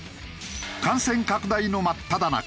感染拡大の真っただ中